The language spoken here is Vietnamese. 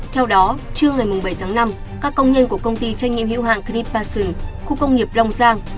theo đó trưa ngày bảy tháng năm các công nhân của công ty trách nhiệm hữu hạng knitpa sừng khu công nghiệp long giang